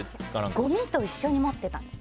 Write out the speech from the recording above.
ごみと一緒に持ってたんです。